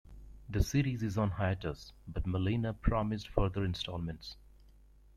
The series is on hiatus, but Molina promised further installments.